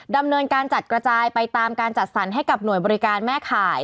ดำเนินการจัดกระจายไปตามการจัดสรรให้กับหน่วยบริการแม่ข่าย